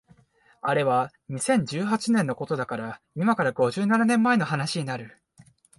あれは二千十八年のことだから今から五十七年前の話になる